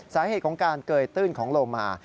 สาเหตุของการเกยตื้นของโลมา